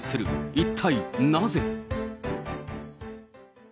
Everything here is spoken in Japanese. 一体なぜ？